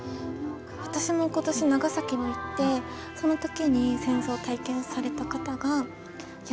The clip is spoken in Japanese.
私も今年長崎に行ってその時に戦争を体験された方がいや